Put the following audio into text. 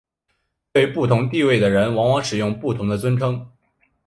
对不同身份地位的人往往使用不同的尊称。